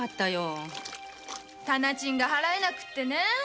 店賃が払えなくてね。